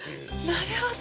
なるほど。